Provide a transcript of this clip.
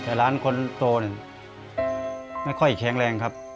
แต่หลานคนโทนันไม่ค่อยแข็งแรงครับ